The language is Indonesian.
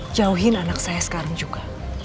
jauhin anak saya sekarang juga